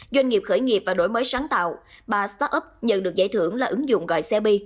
doanh nghiệp khởi nghiệp và đổi mới sáng tạo ba start up nhận được giải thưởng là ứng dụng gọi xe bi